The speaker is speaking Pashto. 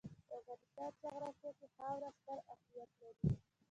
د افغانستان جغرافیه کې خاوره ستر اهمیت لري.